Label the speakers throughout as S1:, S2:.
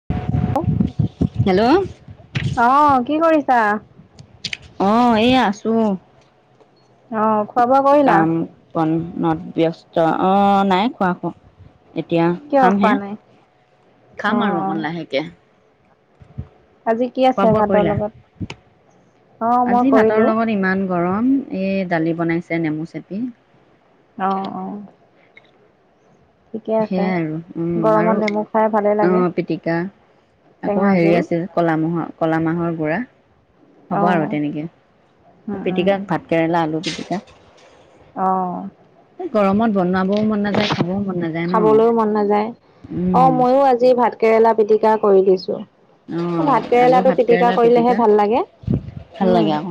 S1: [unintelligible]
S2: Hello.
S1: অঁ কি কৰিছা?
S2: অঁ এই আছোঁ।
S1: অঁ খোৱা বোৱা কৰিলা?
S2: পণত ব্যস্ত, অঁ নাই খোৱা একো, এতিয়া
S1: কিয় খোৱা
S2: খামহে।
S1: নাই?
S2: খাম
S1: অ',
S2: আৰু
S1: অ',
S2: অকণ লাহেকে।
S1: আজি কি
S2: খোৱা
S1: আছে
S2: বোৱা
S1: ভাতৰ
S2: কৰিলা
S1: লগত? অ', মই
S2: আজি ভাতৰ
S1: কৰিলোঁ।
S2: লগত ইমান গৰম, এই দালি বনাইছে নেমু চেপি।
S1: অঁ অঁ।
S2: সেইয়াই আৰু উম আৰু
S1: গৰমত নেমু খাই ভালে লাগে,
S2: অঁ পিটিকা। আকৌ
S1: টেঙা
S2: হেৰি
S1: জোল।
S2: আছিল কলা মাহৰ কলা মাহৰ গুড়া। হ'ব আৰু
S1: অ',
S2: তেনেকে,
S1: উম, উম।
S2: পিটিকা ভাত কেৰেলা আলু পিটিকা।
S1: অঁ।
S2: এ গৰমত বনাৱাও মন নাযায় খাবও মন নাযায়
S1: খাবলৈও মন নাযায়।
S2: ন,
S1: অ',
S2: উম।
S1: ময়ো আজি ভাত কেৰেলা পিটিকা কৰি দিছো,
S2: অঁ
S1: ভাত
S2: আলু
S1: কেৰেলাটো
S2: ভাত
S1: পিটিকা
S2: কেৰেলা
S1: কৰিলেহে ভাল লাগে।
S2: ভাল
S1: উম,
S2: লাগে অঁ।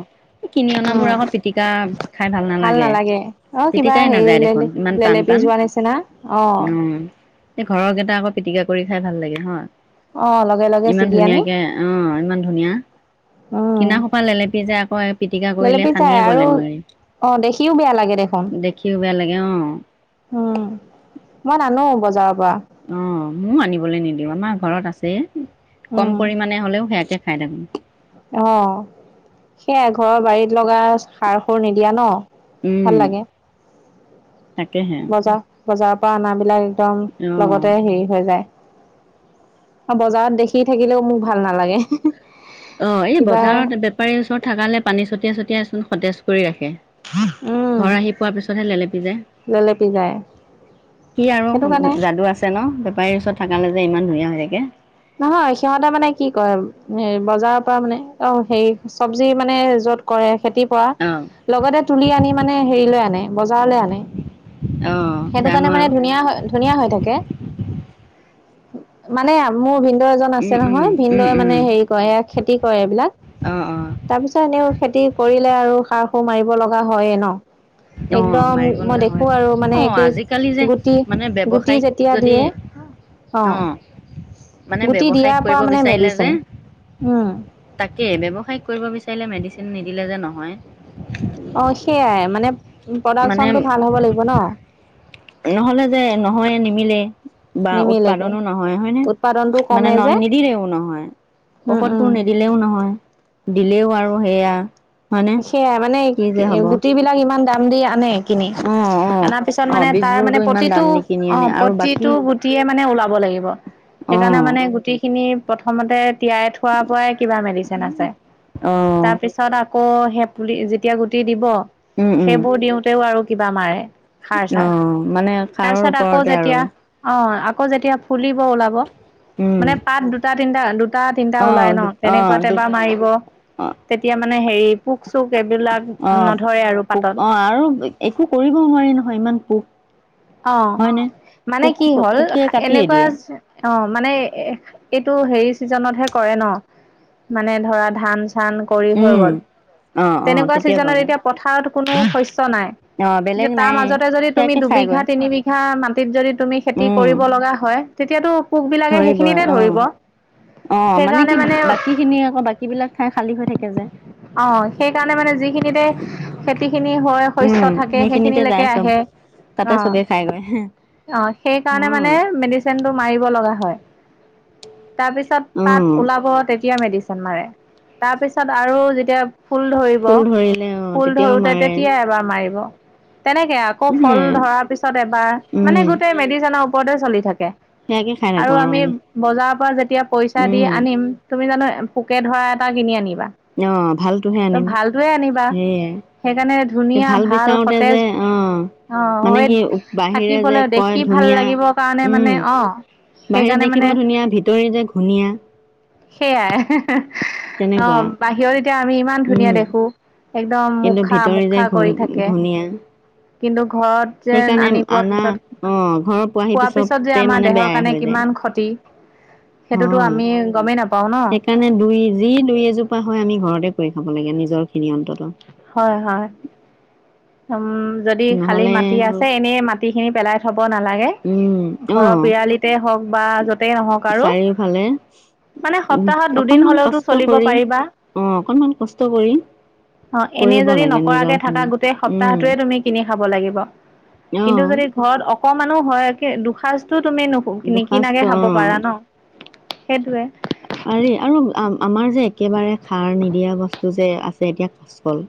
S2: কিনি অনাবোৰ
S1: উম,
S2: আকৌ পিটিকা খায় ভাল নালাগে, পিটিকাই নাযায় দেখোন ইমান টান
S1: জেলেপি
S2: টান
S1: যোৱা নিছিনা অঁ।
S2: উম, এই ঘৰৰ কেইটা আকৌ পিটিকা কৰি খায় ভাল লাগে হয়।
S1: অঁ অলপ
S2: ইমান ধুনীয়াকে অঁ ইমান ধুনীয়া!
S1: উম
S2: কিনা সোপা লেলেপি যায় আকৌ পিটিকা কৰিলে সানিয়ে বলে নোৱাৰি।
S1: অঁ দেখিও বেয়া লাগে দেখোন।
S2: দেখিও বেয়া লাগে অ
S1: উম মই নানো বজাৰৰ পৰা।
S2: অঁ মইও আনিবলে নিদিওঁ আমাৰ ঘৰত আছে,
S1: উম
S2: কম পৰিমাণে হ'লেও সেয়াকে খায় থাকো।
S1: অঁ সেয়াই ঘৰৰ বাৰীত লগা সাৰ সুৰ নিদিয়া ন। ভাল
S2: উম
S1: লাগে
S2: তাকেহে।
S1: বজাৰ বজাৰৰ পৰা অনা বিলাক একদম
S2: অ
S1: লগতে হেৰি হৈ যায়। আৰু বজাৰত দেখি থাকিলেও মোক ভাল নালাগে।
S2: অ, এই
S1: কিবা
S2: বজাৰত বেপাৰীৰ ওচৰত থাকালে পানী চটিয়াই চটিয়াই চোন সতেজ কৰি ৰাখে।
S1: উম।
S2: খোৱাৰ পিছতহে লেলেপি যায়,
S1: লেলেপি যায়
S2: কি আৰু
S1: সেইটো কাৰণে
S2: যাদু আছ ছে ন'? বেপাৰীৰ ওচৰত থাকালে যে ইমান ধুনীয়া হৈ থাকে।
S1: নহয় সিহঁতে মানে কি কৰে, বজাৰৰ পৰা মানে অ হেৰি চব্জি মানে য'ত কৰে খেতিৰ পৰা,
S2: অ',
S1: লগতে তুলি আনি মানে হেৰিলৈ আনে বজাৰলে আনে।
S2: অ', জানো
S1: সেইটোকাৰণে মানে
S2: আৰু
S1: ধুনীয়া হৈ ধুনীয়া হৈ থাকে, মানে মোৰ ভিনদৌ এজন
S2: উম,
S1: আছে
S2: উম,
S1: নহয়,
S2: উম,
S1: ভিনদৌই
S2: উম,
S1: মানে হেৰি কৰে এইয়া খেতি কৰে এইবিলাক।
S2: অ', অ',
S1: তাৰপিছত এনেও খেতি কৰিলে আৰু সাৰ সুৰ মাৰিব লগা হয়ে ন'?
S2: [unintelligible] অঁ,
S1: একদম
S2: মাৰিব
S1: মই
S2: লগা
S1: দেখো
S2: হয়,
S1: আৰু মানে
S2: অঁ
S1: একে
S2: আজিকালি যে
S1: গুটি
S2: মানে
S1: গুটি যেতিয়া
S2: ব্যৱসায়িক যদি
S1: দিয়ে অ
S2: অঁ, মানে
S1: গুটি
S2: ব্যৱসায়িক
S1: দিয়াৰ পৰা
S2: কৰিব
S1: মানে
S2: বিচাৰিলে যে
S1: মেডিচিন উম
S2: তাকে ব্যৱসায়িক কৰিব বিচাৰিলে মেডিচিন নিদিলে যে নহয়।
S1: অঁ, সেইয়াই মানে,
S2: মানে
S1: প্ৰডাকচনটো ভাল হ'ব লাগিব ন'।
S2: নহ'লে যে নহয়ে নিমিলে। বা
S1: নিমিলেগৈ
S2: উৎপাদনো নহয়, হয়নে?
S1: উৎপাদনটো
S2: মানে
S1: কমে
S2: ন
S1: যে
S2: নিদিলেও নহয়।
S1: উম উম
S2: ঔষধবোৰ নিদিল লেও নহয় দিলেও আৰু সেয়া হয়নে
S1: সেয়াই মানে
S2: কি যে হ'ব
S1: গুটেই বিলাক ইমান দাম দি আনে কিনি,
S2: অ অ
S1: অনাৰ পিছত
S2: অ
S1: মানে তাৰ মানে
S2: বীজবোৰতো ইমান
S1: প্ৰতিটো
S2: দাম দি কিনি
S1: অ
S2: আনে আৰু বাকী
S1: প্ৰতিটো গুটিয়ে মানে ওলাব লাগিব,
S2: অ
S1: সেইকাৰণে মানে গুটি খিনি প্ৰথমতে তিয়াই থ থোৱা পৰাই কিবা মেডিচিন আছে,
S2: অ
S1: তাৰপিছত আ আকৌ সে পুলি, যেতিয়া গুটি দিব
S2: উম উম
S1: সেইবোৰ দিওঁতেও আৰু কিবা মাৰে।
S2: অ
S1: সাৰ-চাৰ,
S2: মানে সাৰৰ
S1: তাৰপিছত আকৌ
S2: ওপৰতে আৰু
S1: যেতিয়া অ, আকৌ যেতিয়া ফুলিব ওলাব
S2: উম
S1: মানে পাত দুটা তিনিটা দু টা তিনিটা
S2: অ
S1: ওলাই ন
S2: দু অ
S1: তেনেকুৱাতে
S2: দু
S1: এবাৰ মাৰিব,
S2: অ
S1: তেতিয়া মানে হেৰি পোক-চোক এইবিলাক
S2: অ
S1: নধৰে আৰু
S2: পোক অ
S1: পাতত।
S2: আৰু একো কৰিবও নোৱাৰি নহয় ইমান পোক।
S1: অ
S2: হয়নে?
S1: মানে
S2: পোক
S1: কি হ'ল
S2: পোকে কাটিয়ে
S1: এনেকুৱা
S2: দিয়ে।
S1: অ মানে এইটো হেৰি চিজনতহে কৰে ন মানে ধৰা ধান ধান কৰি হৈ
S2: উম
S1: গ'ল,
S2: অ অ
S1: তেনেকুৱা
S2: তেতিয়া
S1: ছিজনত
S2: কৰে
S1: এতিয়া পথাৰত কোনো শস্য নাই।
S2: অ বেলেগ
S1: তেতিয়া তাৰ
S2: নাই
S1: মাজতে যদি তুমি
S2: সেয়াকে
S1: ডুবি বিঘা
S2: খাইগৈ
S1: তিনি বিঘা মাটিত যদি তুমি খেতি
S2: উম
S1: কৰিব লগা হয় তেতিয়াতো পোকবিলাকে
S2: ধৰিবই
S1: সেইখিনিতে
S2: অ
S1: ধৰিব।
S2: অ মানে কি বাকী খিনি আকৌ বাকী বিলাক ঠাই খালী থাকে যে।
S1: অ সেইকাৰণে মানে যিখিনিতে খেতি খিনি হয়
S2: উম
S1: শস্য থাকে
S2: সেইখিনিতে যায়
S1: সেইখিনিলেকে
S2: চব
S1: আহে। অ
S2: তাতে চবে খাইগৈ
S1: অ সেইকাৰণে মানে
S2: হয়
S1: মেডিচ চেনটো মাৰিব লগা হয়, তাৰপিছত
S2: অ
S1: পাত ওলাব তে তিয়া মেডিচিন মাৰে, তাৰপিছত আৰু যেতিয়া ফুল ধৰিব,
S2: ফুল ধৰিলে অ
S1: ফুল
S2: তেতিয়াও
S1: ধৰোতে
S2: মাৰে
S1: তেতিয়াই এবাৰ মাৰিব। তেনেকে আকৌ
S2: হে
S1: ফল ধৰা পিছত এবাৰ মানে
S2: উম
S1: গোটেই মেডিচিনৰ ওপৰতে চলি থাকে।
S2: সেয়াকে খাই থাকো
S1: আৰু আমি বজাৰৰ পৰা যেতিয়া পইচা দি
S2: উম
S1: আনিম তুমি জানো পোকে ধৰা এটা কিনি আনিবা?
S2: অ ভালটোহে
S1: ত'
S2: আনিম
S1: ভালটোৱে আনিবা,
S2: সেয়াই
S1: সেইকাৰণে
S2: সেই
S1: ধুনীয়া, ভাল,
S2: বিচাৰোতে যে
S1: সতেজ
S2: অ
S1: অ
S2: মানে
S1: হৈ
S2: কি বাহিৰে যে
S1: থাকিবলৈ
S2: কয়
S1: দেখি ভাল
S2: ধুনীয়া
S1: লাগিবৰ কাৰণে মানে
S2: উম
S1: অ
S2: বাহিৰত
S1: সেইকাৰণে
S2: দেখিব
S1: মানে
S2: ধুনীয়া ভিতৰি যে ধুনীয়া।
S1: সেইয়াই, অ
S2: তেনেকুৱা
S1: বাহিৰত এতিয়া আমি ইমান ধুনীয়া
S2: উম
S1: দেখো। একদম
S2: কিন্তু ভিতৰি যে
S1: মোকখা-মোকখা
S2: ঘূণ
S1: কৰি থাকে,
S2: ঘূণীয়া
S1: কিন্তু ঘৰত যেন
S2: সেইকাৰণে
S1: আনি পোৱাৰ
S2: আনা
S1: পিছত,
S2: অঁ ঘৰ পোৱাহি
S1: খোৱাৰ পিছত যে
S2: পিছতে
S1: আমাৰ
S2: মানে
S1: দেহৰ
S2: বেয়াই
S1: কাৰণে
S2: হৈ যায়
S1: কিমান ক্ষতি। সেইটোতো
S2: হয়
S1: আমি গমেই নাপাও ন।
S2: সেইকাৰণে দুই যি দুই এজোপা হয় আমি ঘৰতে কৰি খাব লাগে নিজৰ খিনি অন্তত।
S1: হয় হয়। উম যদি খালী
S2: নহ'লে
S1: মাটি আছে এনেই মাটিখিনি পেলাই থ'ব নালাগে ঘৰৰ
S2: অঁ
S1: পিৰালিত তে হওঁক বা য'তেই নহওঁক আৰু
S2: ফালে
S1: মানে সপ্তাহত দুদিন হলেওতো চলিব
S2: কৰি
S1: পাৰিবা।
S2: অঁ অকণমান কষ্ট কৰি
S1: এনে
S2: কৰিব
S1: যদি
S2: লাগে
S1: নকৰাকে থকা
S2: নিজৰখিনি
S1: গোটেই সপ্তাহটোৱে তুমি কিনি খাব লাগিব
S2: অঁ
S1: কিন্তু যদি ঘৰত অকণমান হয় দুখাজ তুমি নিকিনাকে
S2: দুসাঁজটো
S1: খাব
S2: অঁ
S1: পাৰা ন, সেইটোৱে।
S2: পাৰি আৰু আ-আমাৰ যে একেবাৰে সাৰ নিদিয়া বস্তু যে আছে এতিয়া কাচ কল।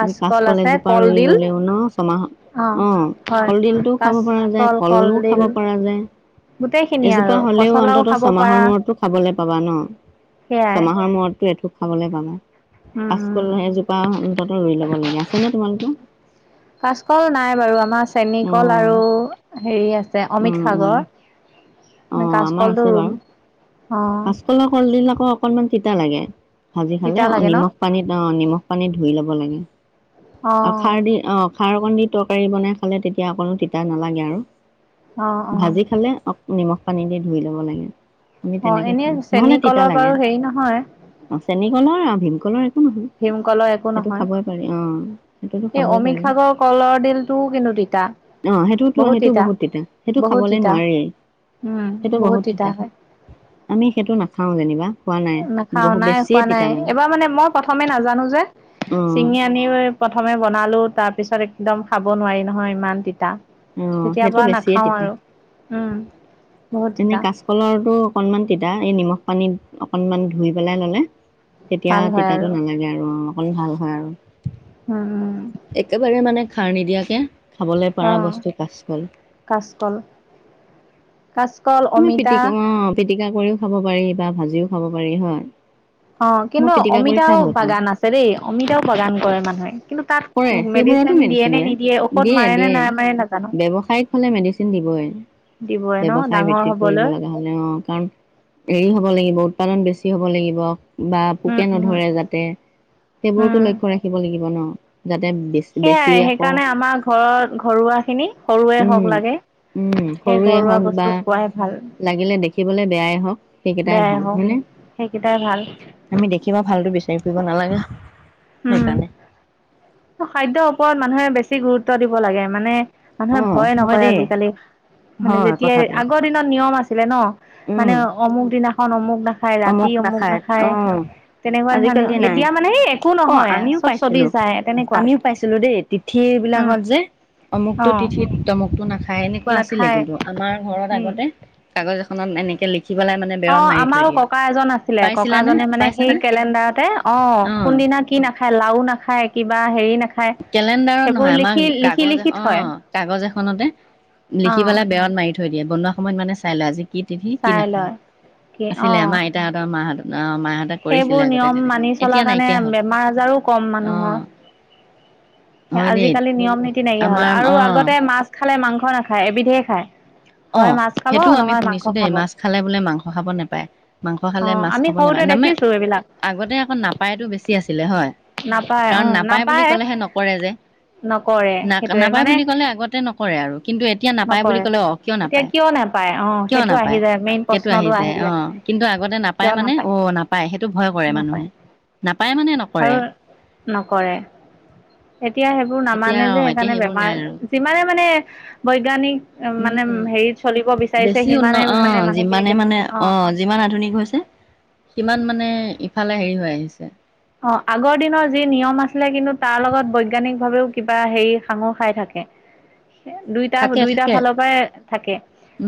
S2: তুমি কাচ কল
S1: আছে
S2: এজোপা ৰুই
S1: কলডিল
S2: ললেও ন ছমাহত অ
S1: হয়
S2: কলদিলটোও খাব পৰা যায়
S1: কাচকল
S2: কলো খাব
S1: কলডিল
S2: পৰা
S1: গোটেইখিনি
S2: যায়।
S1: আৰু
S2: এজোপা হলেও
S1: পচলাও
S2: অন্তত
S1: খাব পাৰা
S2: ছমাহৰ মূৰতো খাবলৈ পাবা ন।
S1: সেয়াই
S2: ছমাহৰ মূৰতটো এটো খাবলৈ পাবা,
S1: উম
S2: কাচকল
S1: উম
S2: এজোপা অন্তত ৰুই ল'ব লাগে, আছেনে তোমালোকৰ?
S1: কাচকল নাই বাৰু আমাৰ চেনী
S2: অ
S1: কল আৰু হেৰি আছে
S2: অ
S1: অমিত
S2: অ
S1: সাগৰ।
S2: অ
S1: ন কাচকলটো ৰুম অ।
S2: কলৰ কলডিল আকৌ অকণমান তিতা লাগে। ভাজি খালে
S1: তিতা লাগে ন
S2: নিমখ পানীত অ নিমখ পানী ধুই ল'ব লাগে।
S1: অ',
S2: আৰু খাৰ দি অ খাৰ অকণ দি তৰকাৰী বনাই খালে তেতিয়া অকণো তিতা নালাগে আৰু।
S1: অ', অ',
S2: ভাজি খালে অক নিমখ পানী দি ধুই ল'ব লাগে। আমি
S1: অ',
S2: তেনেকে
S1: এনে
S2: খাম, নহলে
S1: চেনী
S2: তিতা
S1: কলৰ
S2: লাগে।
S1: বাৰু হেৰি নহয়
S2: অ চেনী কলৰ আৰু ভীমকলৰ নহয়
S1: ভীমকলৰ একো
S2: সেইটো খাবই পাৰি অ সেইটোতো
S1: নহয়। এই
S2: খাবই
S1: অমিত
S2: পাৰি
S1: সাগৰ কলৰ দিল তো কিন্তু তিতা।
S2: অ সেইটোতো সেইটো বহুত তিতা, সেইটো
S1: বহুত
S2: খাবলে
S1: তিতা
S2: নোৱাৰি।
S1: উম বহুত তিতা হয়।
S2: আমি সেইটো নাখাওঁ যেনিবা। খোৱা নাই
S1: এ নাখাও
S2: বহু
S1: নাই
S2: বেছিয়ে
S1: খোৱা
S2: তিতা
S1: নাই এবাৰ মানে মই প্ৰথমে নাজানো যে
S2: অ
S1: চিঙি আনি প্ৰথমে বনালো তাৰপিছত একদম খাব নোৱাৰি নহয় ইমান তিতা।
S2: অ
S1: তেতিয়া
S2: সেইটো
S1: পৰা
S2: বেছিয়ে
S1: নাখাওঁ
S2: তিতা
S1: আৰু উম। বহুত
S2: এনে
S1: তিতা
S2: কাচকলৰটো অকনমান তিতা, এই নিমখ পানীত অকনমান ধুই পেলাই ললে। তেতিয়া
S1: ভাল হয় আৰু
S2: তিতাটো নালাগে আৰু অ অকণ ভাল হয় আৰু।
S1: উম উম।
S2: একেবাৰে মানে খাৰ নিদিয়াকে খাবলৈ পাৰা
S1: অ',
S2: বস্তু কাচকল।
S1: কাচকল। কাচকল। অমিতা
S2: পটিকি অ পিটিকা কৰিও খাব পাৰি বা ভাজিও খাব পাৰি হয়।
S1: অ
S2: মই
S1: কিন্তু
S2: পিটিকা কৰি
S1: অমিতাও
S2: খাই ভাল পাওঁ
S1: বাগান আছে দেই অমিতাও বাগান কৰে মানুহে কিন্তু তাত উ
S2: কৰে সেইবোৰতো
S1: মেডিচিন দিয়ে নে
S2: মেডিচিনে
S1: নিদিয়ে ঔষধ
S2: দিয়ে
S1: মাৰে নে
S2: দিয়ে
S1: নামাৰে নাজানো।
S2: ব্যৱসায়িক হলে মেডিচিন দিবই
S1: দিবই ন
S2: ব্যৱসায়
S1: ডাঙৰ হ
S2: ভিত্তিত কৰিব লগা হলে অ, কাৰণ হেৰি হব লাগিব উৎপাদন বেছি হব লাগিব। বা
S1: উম
S2: পোকে
S1: উম
S2: নধৰে যাতে সেইবোৰতো
S1: উম
S2: লক্ষ্য ৰাখিব লাগিব ন যাতে বে
S1: সেয়াই সেইকাৰণে আমাৰ ঘৰত ঘৰুৱাখিনি সৰুৱে
S2: উম
S1: হওঁক লাগে
S2: উম
S1: সেই
S2: সৰুৱে
S1: ঘৰুৱা
S2: হওক বা
S1: বস্তু খোৱাই ভাল।
S2: লাগিলে দেখিবলে বেয়াই হওঁক, সেইকেইটাই
S1: বেয়াই
S2: ভাল
S1: হওক
S2: হয়নে?
S1: সেইকেইটাই ভাল
S2: আমি দেখিবা ভালটো বিচাৰি ফুৰিব নালাগা
S1: উম
S2: সেইকাৰণে।
S1: খাদ্যৰ ওপৰত মানুহে বেছি গুৰুত্ব দিব লাগে মানে, মানুহে
S2: অ'
S1: ভয়ে
S2: হয়
S1: নকৰে
S2: দেই
S1: আজিকালি। মানে
S2: হয়
S1: যেতিয়াই
S2: কথাটো
S1: আগৰদিনত নিয়ম আছিলে ন
S2: উম
S1: মানে অমুক দিনাখন অমুক না খাই ৰাতি অমুক নাখায় তেনেকুৱা ধৰণ
S2: আজিকালি নাই
S1: এতিয়া মানে এই
S2: অ'
S1: হয়
S2: আমিও
S1: চব চলি
S2: পাইছিলো
S1: যায়।
S2: আমিও পাইছিলো দেই তিথি
S1: উম
S2: বিলাকত যে অমুকটো
S1: অ
S2: তিথিত তমুকটো নাখায় এনেকুৱা আছিলে
S1: নাখায়
S2: কিন্তু আমাৰ ঘৰত
S1: উম
S2: আগতে কাগজ এখনত এনেকে লিখ [unintelligible] মানে বেৰত
S1: অ',
S2: মাৰি থৈ
S1: আমাৰো
S2: দিয়ে
S1: ককা এজন আছিলে আছিলে ককা
S2: পাইছিলানে
S1: জনে মানে সেই
S2: পাইছানে?
S1: কেলেণ্ডাৰতে অ' কোন দিনা কি নাখায় লাও নাখায় কিবা হেৰি নাখায়
S2: কেলেণ্ডাৰো
S1: সেইবোৰ
S2: নহয় আমাৰ
S1: লিখি লিখি
S2: কাগজ
S1: লিখি
S2: এখন
S1: থয়
S2: অ' কাগজ এখনতে
S1: অ
S2: লিখি পেলাই বেৰত মাৰি থৈ দিয়ে বনোৱা সময়ত মানে চাই লোৱা আজি কি তিথি কি
S1: চাই
S2: নাখায়
S1: লয় কি অ
S2: আছিলে আমাৰ আইতাহঁতৰ মাহঁত অ' মাহঁত
S1: সেইবোৰ
S2: কৰিছিলে আগতে
S1: নিয়ম
S2: তেনেকুৱা
S1: মানি চলাৰ
S2: এতিয়া
S1: কাৰণে
S2: নাইকিয়া
S1: বেমাৰ আজাৰো কম
S2: হ'ল
S1: মানুহৰ
S2: অ'। হয় দেই
S1: আজিকালি নিয়ম নীতি নাইকিয়া হ'ল
S2: আমাৰ
S1: আৰু
S2: অ'
S1: আগতে মাছ খালে মাংস নাখায় এবিধে খায়। হয়
S2: অ'
S1: মাছ খাব
S2: সেইটোও আমি
S1: নহয় মাংস
S2: শুনিছো দেই
S1: খাব।
S2: মাছ খালে বোলে মাংস খাব নেপায়। মাংস খালে
S1: অ'
S2: মাছ
S1: আমি
S2: খাব
S1: সৰুতে
S2: নাপায় নানে
S1: দেখিছো এইবিলাক
S2: আগতে আকৌ নাপায়তো বেছি আছিলে হয়।
S1: নাপায়
S2: কাৰণ
S1: অ'
S2: নাপায় বুলি কলেহে নকৰে যে।
S1: নকৰে
S2: ন
S1: সেইটোৱে
S2: নাপায়
S1: মানে
S2: বুলি ক'লে আগতে নকৰে আৰু কিন্তু এতিয়া নাপায় বুলি
S1: নকৰে।
S2: ক'লে অ' কিয়
S1: এতিয়া
S2: নাপায়
S1: কিয় নেপায় অ'
S2: কিয়
S1: সেইটো আহি
S2: নাপায়
S1: যায় মেইন
S2: সেইটো
S1: প্ৰশ্নটো আহি
S2: অ
S1: যায়।
S2: কিন্তু আগতে নাপায় মানে অ' নাপায় সেইটো ভয় কৰে
S1: নাপায়
S2: মানুহে নাপায় মানে নক
S1: আৰু নকৰে। এতিয়া সেইবোৰ
S2: এতিয়া
S1: নামানে
S2: অ
S1: যে
S2: এতিয়া
S1: সেইকাৰণে
S2: সেইবোৰ নাই
S1: বেমাৰ
S2: আৰু
S1: যিমানে মানে বৈজ্ঞানিক মানে
S2: উম
S1: হেৰিত চলিব বিচাৰিছে
S2: বেছি উন্নত
S1: সিমানে
S2: অ
S1: মানে মানুহখিনি
S2: যিমানে
S1: বেছি
S2: মানে
S1: অ'।
S2: যিমান আধুনিক হৈছে সিমান মানে ইফালে হেৰি হৈ আহিছে।
S1: অ', আগৰ দিনৰ যি নিয়ম আছিলে কিন্তু তাৰ লগত বৈজ্ঞানিকভাৱেও কিবা হেৰি সাঙুৰ খাই থাকে।
S2: [inaudible]
S1: দুইটা
S2: থাকে
S1: দুইটা
S2: থাকে
S1: ফালৰ পৰাই থাকে।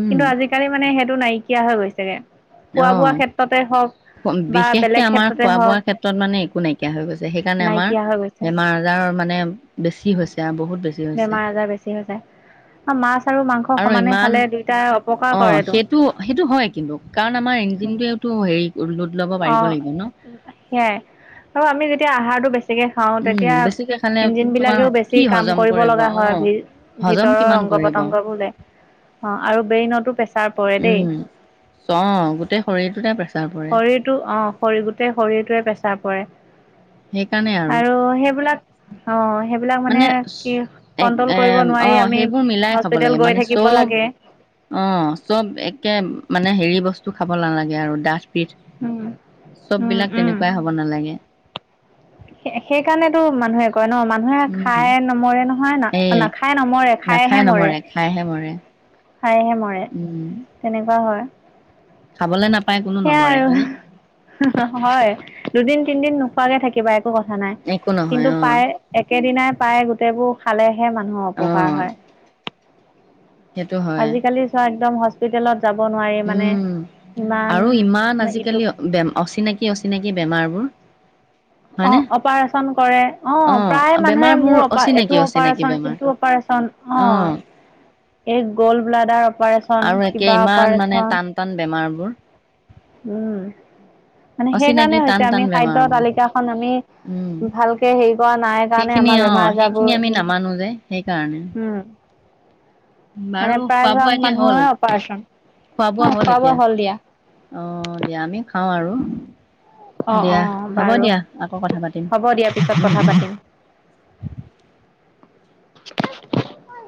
S2: উম
S1: আজি কালি মানে সেইটো নাইকিয়া হৈ গৈছেগে।
S2: অ
S1: খোৱা বোৱা ক্ষেত্ৰতে হওঁক বা
S2: বিশেষকে
S1: বেলেগ
S2: আমাৰ
S1: ক্ষেত্ৰতে
S2: খোৱা বোৱাৰ
S1: হওঁক।
S2: ক্ষেত্ৰত মানে একো নাই। হৈ গৈছে সেইকাৰণে আমাৰ
S1: হৈ গৈছে।
S2: বেমাৰ আজাৰৰ মানে বেছি হৈছে আৰু বহুত বেছি হৈছে।
S1: বেমাৰ [inaudible] মাছ আৰু মাংস সমানে খালে দুইটাই
S2: অ
S1: অপকাৰ কৰেটো।
S2: সেইটো সেইটো হয় কিন্তু কাৰণ আমাৰ ইঞ্জিনতোয়েটো হেৰি লোড ল'ব পাৰিব লাগিব ন।
S1: সেইয়া। আৰু আমি যেতিয়া আহাৰটো বেছিকে খাওঁ
S2: উম
S1: তেতিয়া
S2: বেছিকে খালে তো তোমাৰ
S1: ইঞ্জিনবিলাকেও
S2: কি
S1: বেছি কাম
S2: হজম
S1: কৰিব লগা
S2: অ
S1: হয় ভ
S2: হজম
S1: ভিতৰৰ
S2: কিমান
S1: অংগ
S2: কৰিব
S1: পতংগ বোলে অ' আৰু ব্ৰেইনতো প্ৰেছাৰ পৰে দেই।
S2: উম অ', গোটেই শৰীৰটোতে প্ৰেছাৰ পৰে।
S1: শৰীৰটো অ', শৰীৰৰ গোটেই শৰীৰটোৱে প্ৰেছাৰ পৰে আৰু সেইবিলাক অ', সেইবিলাক মানে কি
S2: এক
S1: কণ্ট্ৰল
S2: এ
S1: কৰিব
S2: অ
S1: নোৱাৰি আমি
S2: সেইবোৰ মিলাই খাব লাগে
S1: হস্পিতেল গৈ
S2: মানে
S1: থাকিব
S2: চব
S1: লাগে।
S2: অ', চব একে মানে হেৰি বস্তু খাব নালাগে আৰু ডাঠ পিঠ।
S1: উম উম
S2: চববিলাক
S1: উম
S2: তেনেকুৱাই হ'ব নালাগে।
S1: সেইকাৰণেতো মানুহে কয় ন মানুহ নে
S2: উম
S1: খাই নমৰে নহয় না
S2: সেয়ে
S1: নাখায় নমৰে
S2: নাখায়
S1: খাইহে মৰে।
S2: নমৰে খাইহে মৰে।
S1: খাইহে মৰে তেনেকুৱা হয়।
S2: খাবলৈ নাপায় কোনো
S1: সেয়াই
S2: নমৰে
S1: আৰু
S2: হয়নে?
S1: হয়, দুদিন তিনদিন নোখোৱাকে থাকিবা একো কথা নাই
S2: একো নহয়
S1: কিন্তু
S2: অ',
S1: প্ৰায় একেদিনাই পায় গোটেইবোৰ খালেহে মানুহৰ অপকাৰ
S2: অ',
S1: হয়।
S2: সেইটো হয়।
S1: আজিকালি চোৱা একদম হস্পিটেলত - যাব নোৱাৰে মানে
S2: উম, আৰু
S1: ইমান-
S2: ইমান
S1: ইটো
S2: আজিকালি বে অচিনাকি- অচিনাকী বেমাৰবোৰ- হয়নে?
S1: অ- অপাৰেচন কৰে। অঁ,
S2: অ',
S1: প্ৰায় মানুহে
S2: বেমাৰবোৰ
S1: মোৰ অপা এইটো
S2: অচিনাকি অচিনাকি
S1: অপাৰেচন,
S2: বেমাৰ
S1: সিটো অপাৰেচন- অঁ,
S2: অ',
S1: এই গল্ডব্লাডাৰ অপাৰেচন,
S2: আৰু একে
S1: কিবা
S2: ইমান
S1: অপাৰেচন।
S2: মানে টান -টান বেমাৰবোৰ।
S1: উম, মানে সেই
S2: অচিনাকি
S1: কাৰণে
S2: টান
S1: হৈছে।
S2: টান
S1: আমি খাদ্যৰ
S2: বেমাৰবোৰ
S1: তালিকাখন আমি-
S2: উম,
S1: ভালকে হেৰি কৰা নাই কাৰণে
S2: সেইখিনি
S1: আমাৰ বেমাৰ
S2: অ', সেইখিনি
S1: আজাৰবোৰ-
S2: আমি নামানো যে সেইকাৰণে।
S1: উম। মানে
S2: বাৰু খোৱা বোৱা
S1: প্ৰায়ভাগ
S2: এতিয়া হ'ল?
S1: মানুহৰ অপাৰচন অ খোৱা বোৱা হ'ল দিয়া
S2: অঁ, দিয়া আমি খাওঁ আৰু।
S1: অ অ
S2: দিয়া, হ'ব
S1: বাৰু
S2: দিয়া আকৌ কথা পাতিম
S1: হ'ব দিয়া পিছত
S2: উম
S1: কথা
S2: -উম।
S1: পাতিম [inaudible]